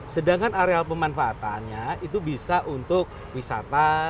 sedangkan areal pemanfaatannya itu bisa untuk wisata